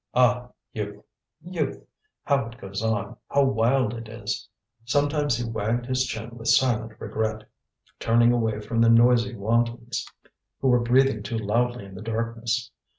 Ah! youth! youth! how it goes on, how wild it is! Sometimes he wagged his chin with silent regret, turning away from the noisy wantons who were breathing too loudly in the darkness.